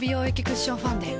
クッションファンデ